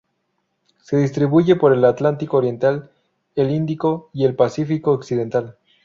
Se distribuye por el Atlántico oriental, el Índico y el Pacífico occidental.